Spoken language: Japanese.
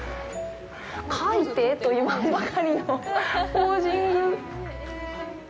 描いてと言わんばかりのポージング！